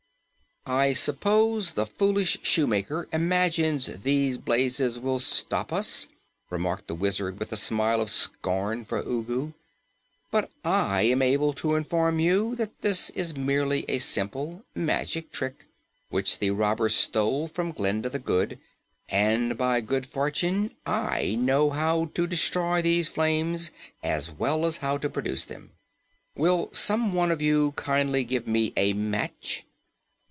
"I suppose the foolish Shoemaker imagines these blazes will stop us," remarked the Wizard with a smile of scorn for Ugu. "But I am able to inform you that this is merely a simple magic trick which the robber stole from Glinda the Good, and by good fortune I know how to destroy these flames as well as how to produce them. Will some one of you kindly give me a match?"